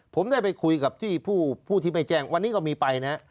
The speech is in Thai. ผมได้ไปคุยกับที่ผู้ที่ไม่แจ้งวันนี้ก็มีไปนะ